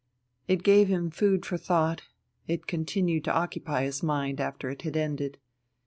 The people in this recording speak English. It gave him food for thought, it continued to occupy his mind after it had ended.